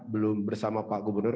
belum bersama pak gubernur